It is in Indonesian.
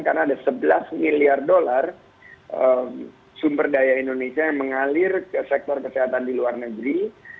karena ada sebelas miliar dolar sumber daya indonesia yang mengalir ke sektor kesehatan di luar negeri